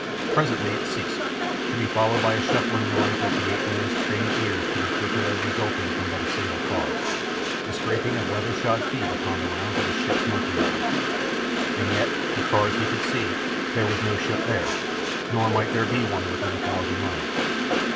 Presently it ceased, to be followed by a shuffling noise that the ape man's trained ears could interpret as resulting from but a single cause—the scraping of leather shod feet upon the rounds of a ship's monkey ladder. And yet, as far as he could see, there was no ship there—nor might there be one within a thousand miles.